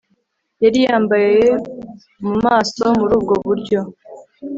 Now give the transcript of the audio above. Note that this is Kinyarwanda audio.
Yari yambaye mu maso muri ubwo buryo